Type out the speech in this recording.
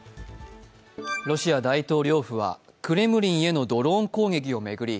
ロシア大統領府はクレムリンへのドローン攻撃を巡り